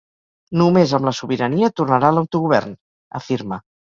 Només amb la sobirania tornarà l’autogovern, afirma.